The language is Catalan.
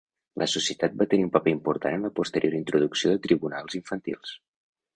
La societat va tenir un paper important en la posterior introducció de tribunals infantils.